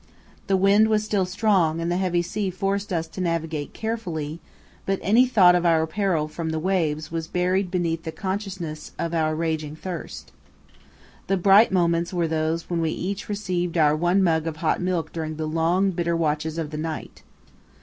The wind was still strong and the heavy sea forced us to navigate carefully, but any thought of our peril from the waves was buried beneath the consciousness of our raging thirst. The bright moments were those when we each received our one mug of hot milk during the long, bitter watches of the night.